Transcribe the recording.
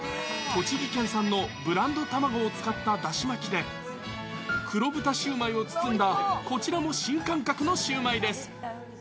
栃木県産のブランド卵を使っただし巻きで、黒豚焼売を包んだ、こちらも新感覚のシウマイです。